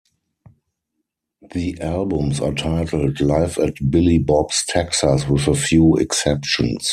The albums are titled "Live at Billy Bob's Texas", with a few exceptions.